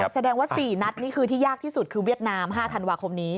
แสดงว่า๔นัดนี่คือที่ยากที่สุดคือเวียดนาม๕ธันวาคมนี้